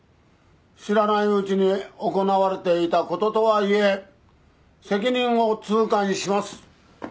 知らないうちに行われていた事とはいえ責任を痛感します。